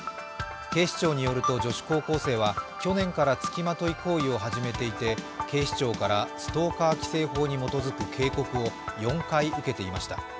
警視庁によると女子高校生は去年から付きまとい行為を始めていて警視庁からストーカー規制法に基づく警告を４回受けていました。